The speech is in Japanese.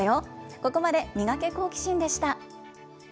ここまでミガケ、好奇心！でした。